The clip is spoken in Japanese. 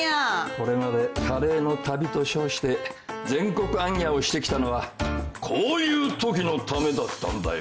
これまでカレーの旅と称して全国行脚をしてきたのはこういうときのためだったんだよ。